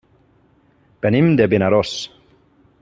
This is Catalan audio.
Venim de Vinaròs.